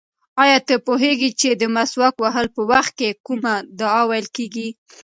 ایا ته پوهېږې چې د مسواک وهلو په وخت کې کومه دعا ویل کېږي؟